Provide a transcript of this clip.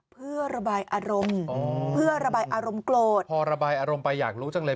เพื่อระบายอารมณ์เพื่อระบายอารมณ์โกรธพอระบายอารมณ์ไปอยากรู้จังเลย